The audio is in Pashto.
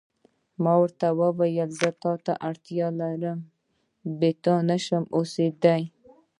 ما ورته وویل: زه تا ته اړتیا لرم، بې تا نه شم اوسېدای.